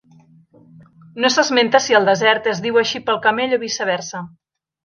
No s'esmenta si el desert es diu així pel camell o viceversa.